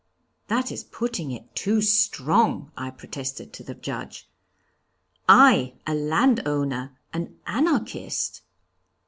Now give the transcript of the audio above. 'That is putting it too strong,' I protested to the Judge, 'I, a landowner, an Anarchist!